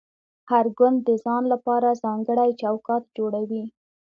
هر ګوند د ځان لپاره ځانګړی چوکاټ جوړوي